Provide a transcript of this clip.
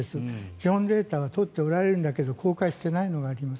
基本データは取っておられるけど公開していないのがあります。